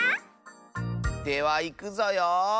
ではいくぞよ。